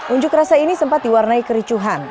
unjuk rasa ini sempat diwarnai kericuhan